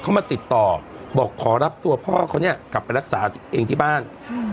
เขามาติดต่อบอกขอรับตัวพ่อเขาเนี้ยกลับไปรักษาเองที่บ้านอืม